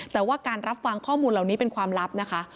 แต่ว่าการรับฟังข้อมูลเหล่านี้เป็นความลับนะคะ